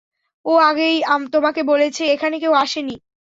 ও আগেই তোমাকে বলেছে এখানে কেউ আসে নি।